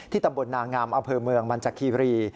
ที่ตำบลนางงามอเภอเมืองมันจาคีรี